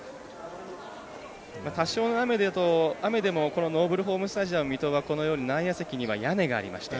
多少の雨でもノーブルホームスタジアム水戸は内野席には屋根がありました。